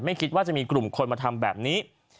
คิดว่าจะมีกลุ่มคนมาทำแบบนี้